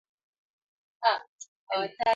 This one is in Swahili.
Kwetu, ingawa mbali, ndipo tunaelekea.